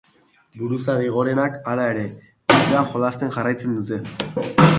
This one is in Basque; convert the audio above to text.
Buruzagi gorenek, hala ere, golfean jolasten jarraitzen dute.